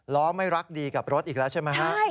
ล้อไม่รักดีกับรถอีกแล้วใช่ไหมฮะ